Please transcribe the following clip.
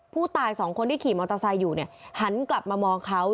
ผู้ตายสองคนที่ขี่มอเตอร์ไซค์อยู่เนี่ยหันกลับมามองเขา